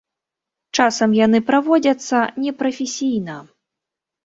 Часам яны праводзяцца непрафесійна.